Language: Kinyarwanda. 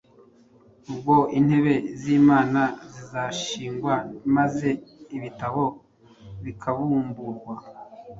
ubwo intebe z’imanza zizashingwa maze ibitabo bikabumburwa.